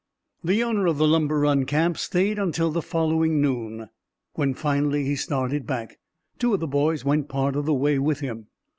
The owner of Lumber Run Camp stayed until the following noon. When finally he started back, two of the boys went part of the way with him.